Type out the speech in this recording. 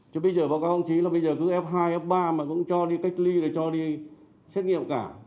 chứ bây giờ báo cáo ông chí là bây giờ cứ f hai f ba mà cũng cho đi cách ly là cho đi xét nghiệm cả